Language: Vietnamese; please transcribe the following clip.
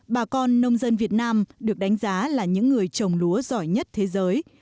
bà con nông dân việt nam được đánh giá là những người trồng lúa giỏi nhất thế giới